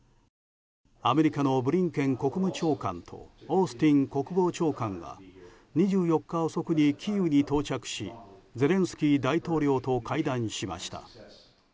アメリカのブリンケン国務長官とオースティン国防長官が２４日遅くにキーウに到着しゼレンスキー大統領と会談しました。